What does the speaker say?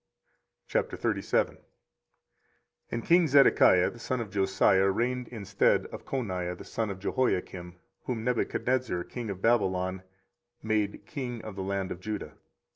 24:037:001 And king Zedekiah the son of Josiah reigned instead of Coniah the son of Jehoiakim, whom Nebuchadrezzar king of Babylon made king in the land of Judah.